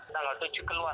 tanggal tujuh keluar